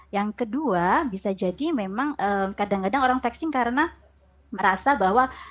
yang kedua bisa jadi memang kadang kadang orang flexing karena merasa bahwa